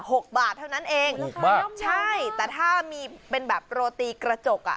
หกบาทเท่านั้นเองถูกมากใช่แต่ถ้ามีเป็นแบบโรตีกระจกอ่ะ